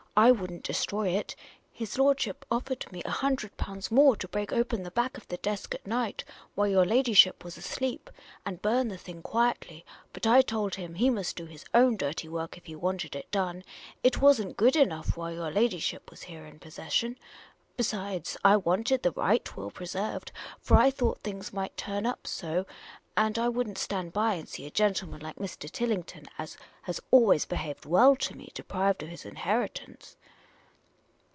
I would n't destroy it. His lordship offered me a hundred pounds more to break open the back of the desk at night, while your ladyship was asleep, and burn the thing quietly. But I told him he might do his own dirty work if he wanted it done. It was n't good enough while your ladyship was here in possession. Besides, I wanted the right will preserved, for I thought things might turn up so ; and I would n't stand by and see a gentleman like Mr. Tillington, as has always behaved well to me, deprived of his inheritance."